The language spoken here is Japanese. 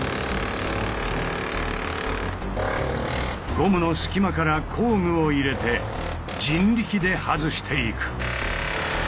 ゴムの隙間から工具を入れて人力で外していく。